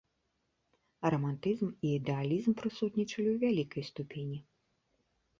Рамантызм і ідэалізм прысутнічалі ў вялікай ступені.